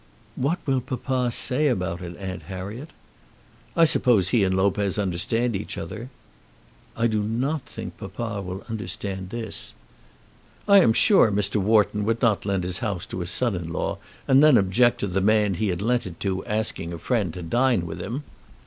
"What will papa say about it, Aunt Harriet?" "I suppose he and Lopez understand each other." "I do not think papa will understand this." "I am sure Mr. Wharton would not lend his house to his son in law, and then object to the man he had lent it to asking a friend to dine with him.